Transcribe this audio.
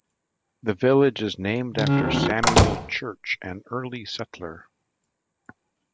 The village is named after Samuel Church, an early settler.